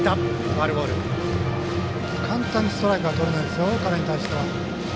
簡単にストライクはとれないですよ、彼に対しては。